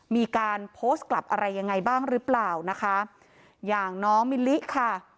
มีการโพสต์กลับอะไรยังไงบ้างหรือเปล่านะคะอย่างน้องมิลลิค่ะ